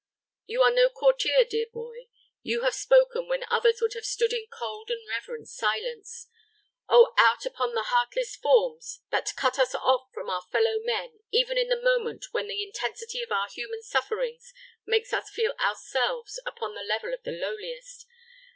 You are no courtier, dear boy. You have spoken, when others would have stood in cold and reverent silence. Oh, out upon the heartless forms that cut us off from our fellow men, even in the moment when the intensity of our human sufferings makes us feel ourselves upon the level of the lowliest!